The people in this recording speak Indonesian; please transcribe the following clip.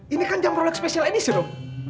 ini kan jam rolex spesial ini sih dong